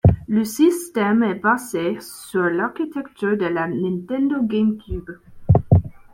Le système est basé sur l'architecture de la Nintendo GameCube.